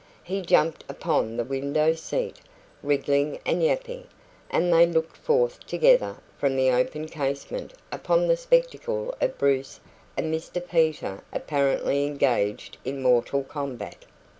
He jumped upon the window seat, wriggling and yapping, and they looked forth together from the open casement upon the spectacle of Bruce and Mr Peter apparently engaged in mortal combat.